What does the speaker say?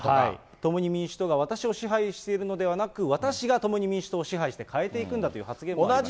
共に民主党が私を支配しているのではなく、私が共に民主党を支配して変えていくんだという発言もありました。